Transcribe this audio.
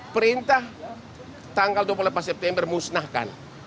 perintah tanggal dua puluh delapan september musnahkan